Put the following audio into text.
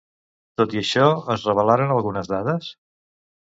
Tot i això, es revelaren algunes dades?